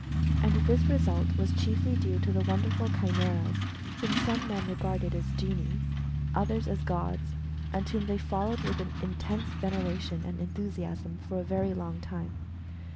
And this result was chiefly due to the wonderful chimeras, whom some men regarded as genii, others as gods, and whom they followed with an intense veneration and enthusiasm for a very long time.